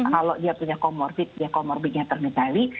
kalau dia punya komorbid dia komorbidnya terkendali